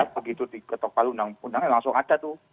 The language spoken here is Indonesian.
begitu diketok palu undang undangnya langsung ada tuh